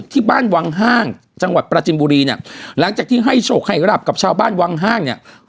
ที่บ้านวังห้างจังหวัดปราจินบุรีเนี่ยหลังจากที่ให้โชคให้รับกับชาวบ้านวังห้างเนี่ย